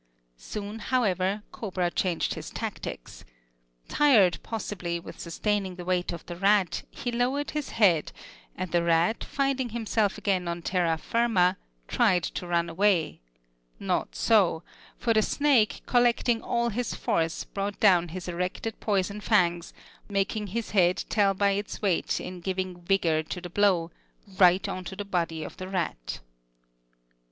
Soon, however, cobra changed his tactics. Tired, possibly, with sustaining the weight of the rat, he lowered his head, and the rat, finding himself again on terra firma, tried to run away: not so; for the snake, collecting all his force, brought down his erected poison fangs, making his head tell by its weight in giving vigor to the blow, right on to the body of the rat.